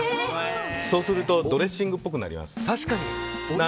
そうするとドレッシングっぽくなります。